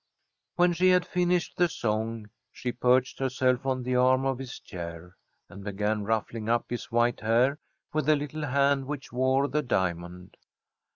When she had finished the song, she perched herself on the arm of his chair, and began ruffling up his white hair with the little hand which wore the diamond.